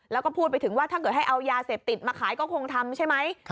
แล้วก็พูดไปถึงว่าถ้าเกิดให้เอายาเสพติดมาขายก็คงทำใช่ไหม